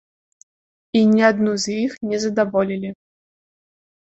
І ні адну з іх не задаволілі.